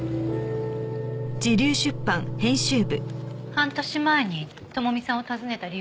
半年前に朋美さんを訪ねた理由ですか？